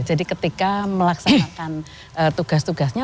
jadi ketika melaksanakan tugas tugasnya